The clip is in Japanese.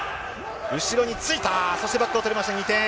後ろについた、そしてバックを取りました、２点。